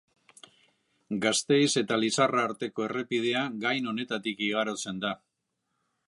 Gasteiz eta Lizarra arteko errepidea gain honetatik igarotzen da.